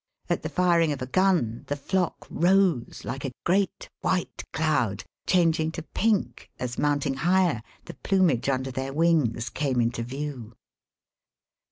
At the firing of a gun the flock rose like a great white cloud, changing to pink as, mounting higher, the plumage under their wings came into view.